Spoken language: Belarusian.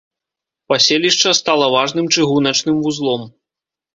Паселішча стала важным чыгуначным вузлом.